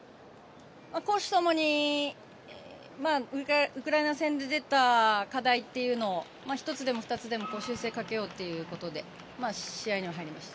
攻守ともにウクライナ戦で出た課題というのを１つでも２つでも修正かけようということで試合には入りました。